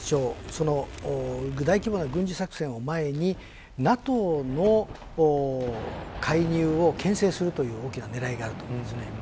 その大規模な軍事作戦を前にＮＡＴＯの介入をけん制するという大きな狙いがあると思うんです。